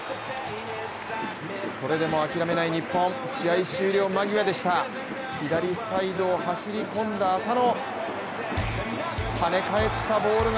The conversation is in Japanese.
それでも諦めない日本、試合終了間際でした左サイドを走り込んだ浅野。